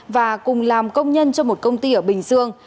và cùng làm công nhân cho một công ty ở bình dương